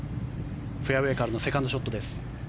フェアウェーからのセカンドショットです。